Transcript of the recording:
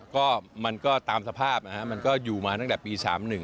ก็มันก็ตามสภาพมันก็อยู่มาตั้งแต่ปี๓๑